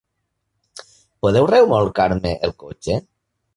Podeu remolcar-me el cotxe?